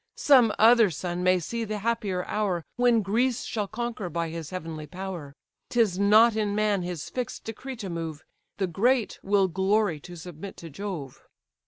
Some other sun may see the happier hour, When Greece shall conquer by his heavenly power. 'Tis not in man his fix'd decree to move: The great will glory to submit to Jove."